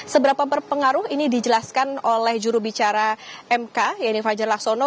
seberapa berpengaruh ini dijelaskan oleh jurubicara mk yaitu fajar laksono